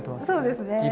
そうですね。